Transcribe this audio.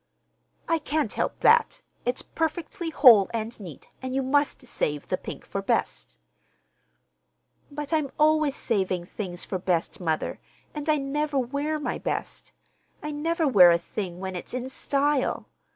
"I can't help that. It's perfectly whole and neat, and you must save the pink for best." "But I'm always saving things for best, mother, and I never wear my best. I never wear a thing when it's in style!